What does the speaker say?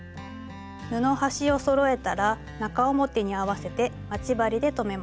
布端をそろえたら中表に合わせて待ち針で留めます。